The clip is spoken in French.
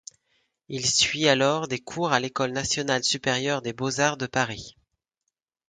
Il suit alors des cours à l'École nationale supérieure des beaux-arts de Paris.